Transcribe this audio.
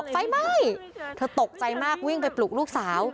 ไฟไหม้เธอตกใจมากวิ่งไปปลุกลูกสาว